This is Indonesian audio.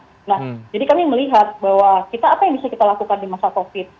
nah jadi kami melihat bahwa kita apa yang bisa kita lakukan di masa covid